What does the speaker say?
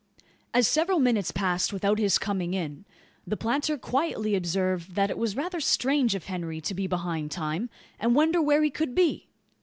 As several minutes passed without his coming in, the planter quietly observed that it was rather strange of Henry to be behind time, and wonder where he could be.